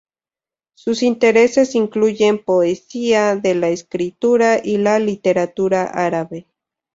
Sus intereses incluyen poesía de la escritura y la literatura árabe.